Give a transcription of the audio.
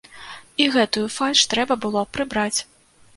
І гэтую фальш трэба было прыбраць.